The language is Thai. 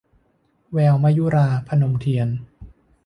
แววมยุรา - พนมเทียน